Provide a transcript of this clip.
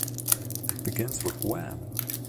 It begins with Wham!